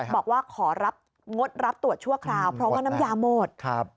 บอกว่าของงดรับตรวจชั่วคราวเพราะว่าน้ำยาหมด